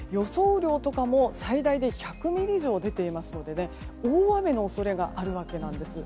雨量とかも最大で１００ミリ以上が出ていますので大雨の恐れがあるわけなんです。